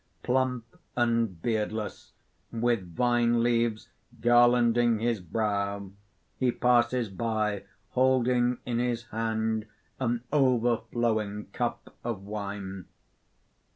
Plump and beardless, with vine leaves garlanding his brow, he passes by holding in his hand an overflowing cup of wine.